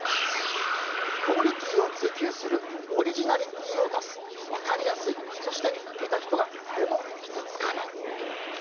クオリティーを追求するオリジナリティーを出す分かりやすいそして、見た人が誰も傷つかない。